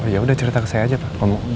yaudah cerita ke saya aja pak